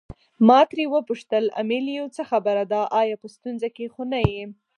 ما ترې وپوښتل امیلیو څه خبره ده آیا په ستونزه کې خو نه یې.